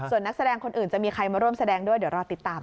ส่วนนักแสดงคนอื่นจะมีใครมาร่วมแสดงด้วยเดี๋ยวรอติดตาม